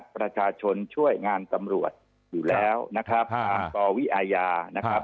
ประชาชนช่วยงานตำรวจอยู่แล้วนะครับตามปวิอาญานะครับ